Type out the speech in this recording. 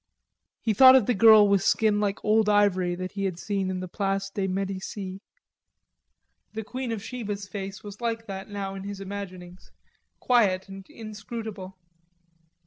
He thought of the girl with skin like old ivory he had seen in the Place de Medicis. The Queen of Sheba's face was like that now in his imaginings, quiet and inscrutable.